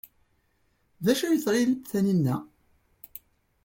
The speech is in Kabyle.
D acu ay tɣil Taninna?